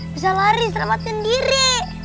bisa lari selamatkan diri